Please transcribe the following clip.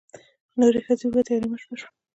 نورې ښځې ووتې او نیمه شپه شوه.